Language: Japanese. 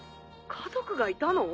家族がいたの？